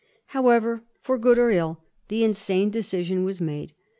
However, for good or evil, the insane decision was made.